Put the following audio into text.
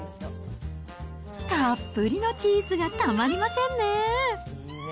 たっぷりのチーズがたまりませんね。